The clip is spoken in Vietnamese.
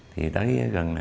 thì tới gần